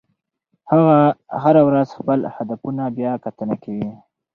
هغه هره ورځ خپل هدفونه بیاکتنه کوي.